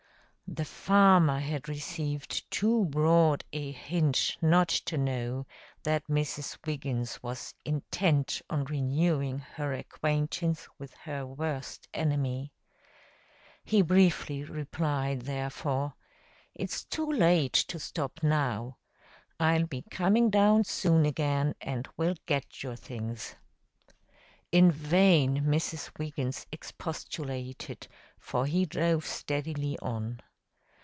The farmer had received too broad a hint not to know that Mrs. Wiggins was intent on renewing her acquaintance with her worst enemy. He briefly replied, therefore, "It's too late to stop now. I'll be coming down soon again and will get your things." In vain Mrs. Wiggins expostulated, for he drove steadily on.